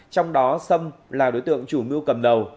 trong đó sâm là đối tượng chủ mưu cầm đầu